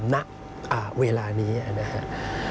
ณเวลานี้นะครับ